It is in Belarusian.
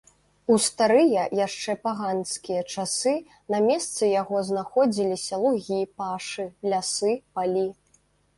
У старыя, яшчэ паганскія часы на месцы яго знаходзіліся лугі, пашы, лясы, палі.